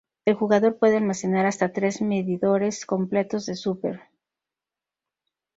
El jugador puede almacenar hasta tres medidores completos de Super.